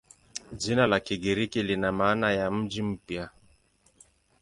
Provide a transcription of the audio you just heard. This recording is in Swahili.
Jina la Kigiriki lina maana ya "mji mpya".